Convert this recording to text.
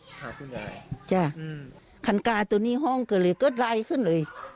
ค่ะคุณยายค่ะคันกาตัวนี้ห้องเกิดเลยก็ไล่ขึ้นเลย